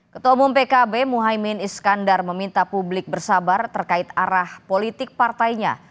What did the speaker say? ketua umum pkb muhaymin iskandar meminta publik bersabar terkait arah politik partainya